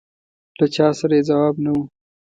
له چا سره یې ځواب نه و.